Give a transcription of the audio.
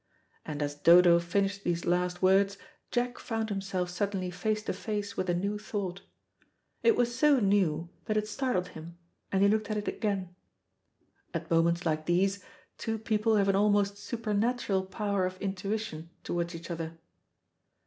And as Dodo finished these last words, Jack found himself suddenly face to face with a new thought. It was so new that it startled him, and he looked at it again. At moments like these two people have an almost supernatural power of intuition towards each other.